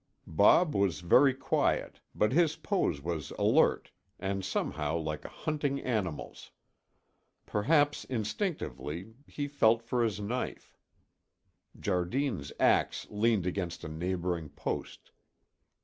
Bob was very quiet, but his pose was alert and somehow like a hunting animal's. Perhaps instinctively, he felt for his knife. Jardine's ax leaned against a neighboring post.